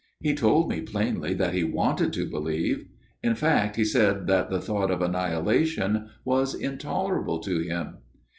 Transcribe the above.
He told me plainly that he wanted to believe in fact he said that the thought of annihilation was intolerable to him.